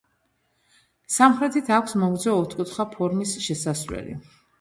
სამხრეთით აქვს მოგრძო ოთხკუთხა ფორმის შესასვლელი.